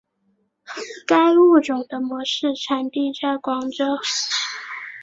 该物种的模式产地在广州。